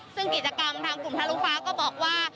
ซึ่งกิจกรรมทางกลุ่มทะลุฟ้าก็บอกว่า